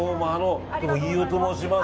飯尾と申します。